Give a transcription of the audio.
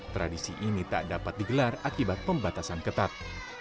tradisi ini tak dapat digelar akibat pembatasan ketat